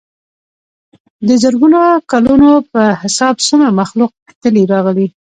دَ زرګونو کلونو پۀ حساب څومره مخلوق تلي راغلي